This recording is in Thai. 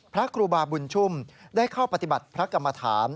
พระครูบาบุญชุ่มได้เข้าปฏิบัติพระกรรมฐาน